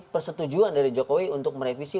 persetujuan dari jokowi untuk merevisi